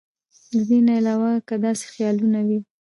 د دې نه علاوه کۀ داسې خيالونه وي